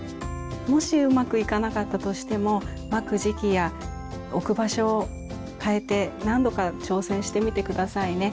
もしうまくいかなかったとしてもまく時期や置く場所を変えて何度か挑戦してみて下さいね。